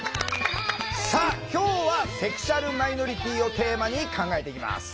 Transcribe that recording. さあ今日はセクシュアルマイノリティーをテーマに考えていきます。